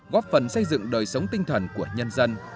góp phần xây dựng đời sống tinh thần của nhân dân